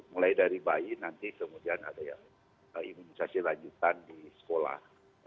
mulai dari bayi nanti kemudian ada yang imunisasi lanjutan di sekolah